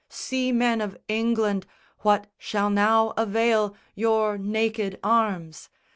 Seamen of England, what shall now avail Your naked arms?